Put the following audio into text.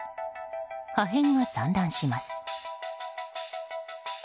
破片が散乱します。